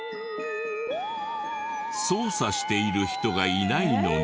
操作している人がいないのに。